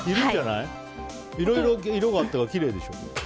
いろいろ色があったほうがきれいでしょ。